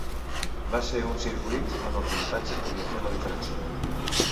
Va ser un circuit on el pilotatge podia fer la diferència.